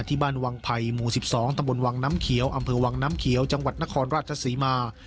ที่บ้านวังไพหมู๑๒ตวน้ำเขียวอำเภอวังน้ำเขียวจนครราชสีมา